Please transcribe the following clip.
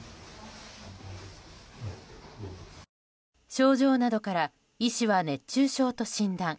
症状などから医師は熱中症と診断。